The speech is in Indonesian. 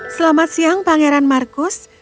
selamat siang pangeran marcus